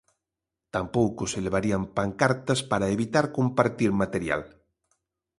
Tampouco se levarían pancartas, para evitar compartir material.